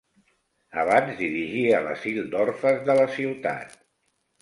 Abans dirigia l'asil d'orfes de la ciutat.